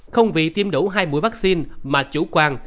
không vì tiêm đủ hai mũi vaccine mà chủ quan